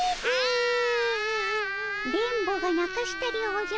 電ボがなかしたでおじゃる。